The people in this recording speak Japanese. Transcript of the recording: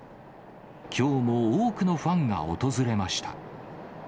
きょうも多くのファンが訪れました。